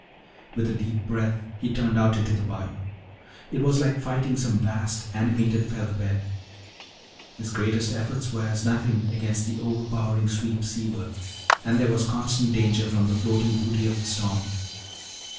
With a deep breath he turned out into the bayou. It was like fighting some vast animated feather bed. His greatest efforts were as nothing against the overpowering sweep seaward. And there was constant danger from the floating booty of the storm.